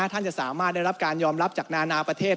ท่านจะสามารถได้รับการยอมรับจากนานาประเทศ